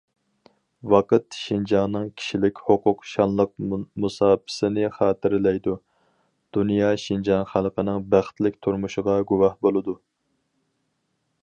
ۋاقىت شىنجاڭنىڭ كىشىلىك ھوقۇق شانلىق مۇساپىسىنى خاتىرىلەيدۇ، دۇنيا شىنجاڭ خەلقىنىڭ بەختلىك تۇرمۇشىغا گۇۋاھ بولىدۇ.